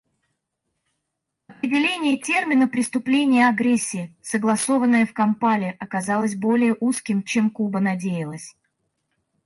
Определение термина «преступление агрессии», согласованное в Кампале, оказалось более узким, чем Куба надеялась.